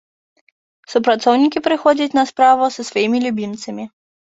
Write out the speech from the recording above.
Супрацоўнікі прыходзяць на працу са сваімі любімцамі.